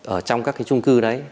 ở trong các trung cư đấy